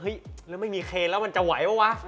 เฮ้ยแล้วไม่มีเครนแล้วมันจะไหวปะวะ